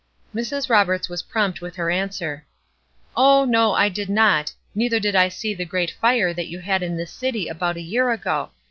Mrs. Roberts was prompt with her answer: "Oh, no, I did not, neither did I see the great fire that you had in this city about a year ago.